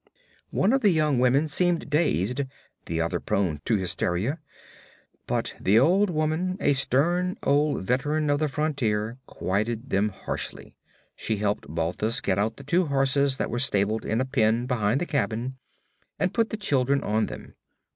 One of the young women seemed dazed, the other prone to hysteria. But the old woman, a stern old veteran of the frontier, quieted them harshly; she helped Balthus get out the two horses that were stabled in a pen behind the cabin and put the children on them.